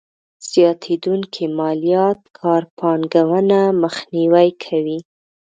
زياتېدونکې ماليات کار پانګونه مخنیوی کوي.